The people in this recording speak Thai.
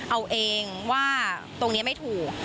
เอาเองว่าตรงนี้ไม่ถูก